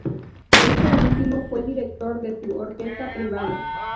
Este último fue director de su orquesta privada.